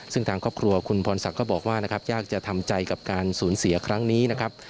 ซึ่งทางครอบครัวคุณพรศักดิ์ก็บอกว่านะครับยากจะทำใจกับการสูญเสียครั้งนี้นะครับ